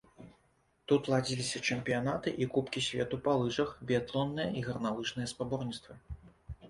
Тут ладзіліся чэмпіянаты і кубкі свету па лыжах, біятлонныя і гарналыжныя спаборніцтвы.